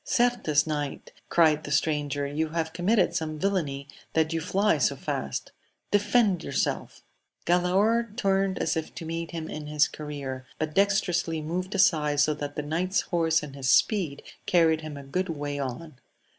— Certes, knight, cried the stranger, you have committed some villainy that you fly so fast : defend yourself 1 Galaor turned as if to meet him in his career, but dextrously moved aside, so that the knight's horse in his speed carried him a good way on.